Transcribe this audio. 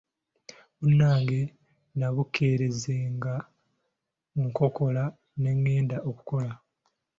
Munnange nnabukeerezanga nkokola ne ngenda okukola.